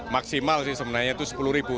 maksimal sih sebenarnya itu sepuluh ribu